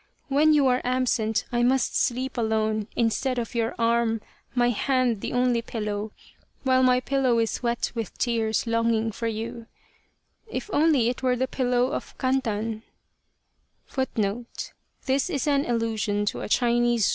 When you are absent I must sleep alone, instead of your arm my hand the only pillow, while my pillow is wet with tears longing for you, if only it were the pillow of Kantan * I could at least dream that you were by my side.